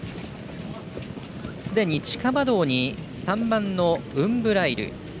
すでに地下馬道に３番ウンブライル。